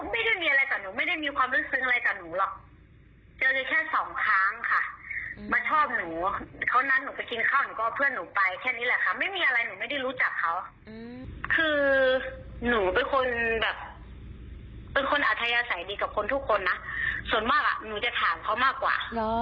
เป็นแบบเป็นคนอาทยาศัยดีกับคนทุกคนนะส่วนมากอะหนูจะถามเขามากกว่า